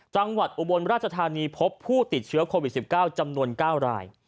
อุบลราชธานีพบผู้ติดเชื้อโควิด๑๙จำนวน๙ราย